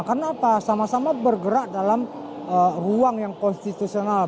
karena sama sama bergerak dalam ruang yang konstitusional